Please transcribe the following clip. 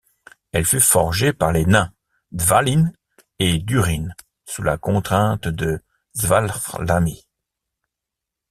Elle fut forgée par les nains Dvalinn et Durin sous la contrainte de Svafrlami.